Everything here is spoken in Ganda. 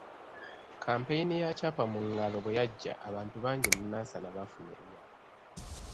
Kkampeyini ya ‘Kyapa mu Ngalo’ bwe yajja, abantu bangi mu Nansana baafuna ebyapa.